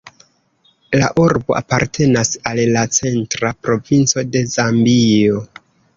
La urbo apartenas al la Centra Provinco de Zambio.